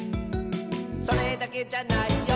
「それだけじゃないよ」